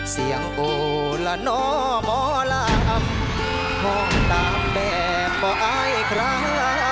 เสียงโอละนอมอลับห้องตามแบบป่อไอ้ใคร